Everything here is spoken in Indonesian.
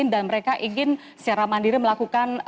dan mereka ingin secara mandiri melakukan